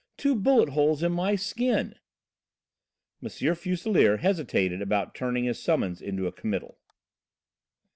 Two bullet holes in my skin!" M. Fuselier hesitated about turning his summons into a committal.